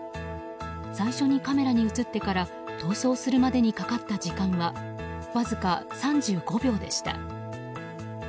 最初にカメラに映ってから逃走するまでにかかった時間はわずか３５秒でした。